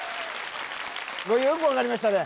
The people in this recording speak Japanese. これよく分かりましたね